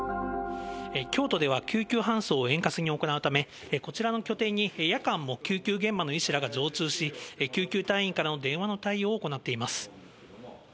京都では、救急搬送を円滑に行うため、こちらの拠点に夜間も救急現場の医師らが常駐し、救急隊員からの電話の対応を行っています。